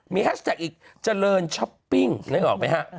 แฮชแท็กอีกเจริญช้อปปิ้งนึกออกไหมฮะ